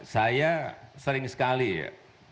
saya sering sekali ya